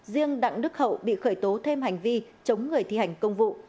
riêng đặng đức hậu bị khởi tố thêm hành vi chống người thi hành công vụ